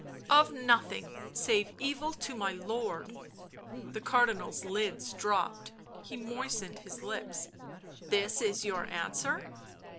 " Of nothing save evil to my lord." The Cardinal's lids drooped ; he moistened his lips. " This is your answer?"